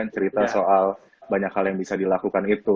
cerita soal banyak hal yang bisa dilakukan itu